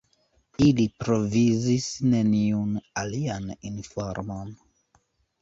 Ili provizis neniun alian informon.